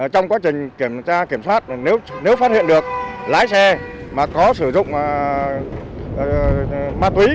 trong quá trình kiểm soát nếu phát hiện được lái xe mà có sử dụng ma túy